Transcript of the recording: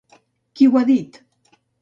Qui ho ha dit?